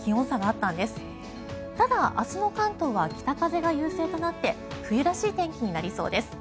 ただ、明日の関東は北風が優勢となって冬らしい天気になりそうです。